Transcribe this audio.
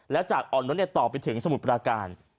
แล้วจากอ่อนนุษย์ต่อไปถึงสมุทรปราการ